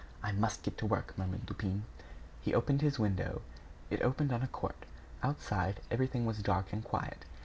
"I must get to work," murmured Lupin. He opened his window. It opened on a court. Outside, everything was dark and quiet.